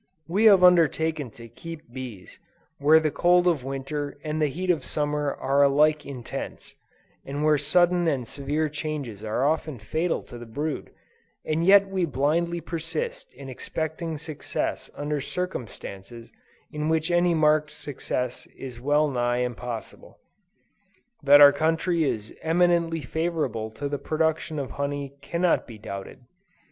We have undertaken to keep bees, where the cold of Winter, and the heat of Summer are alike intense; and where sudden and severe changes are often fatal to the brood: and yet we blindly persist in expecting success under circumstances in which any marked success is well nigh impossible. That our country is eminently favorable to the production of honey, cannot be doubted.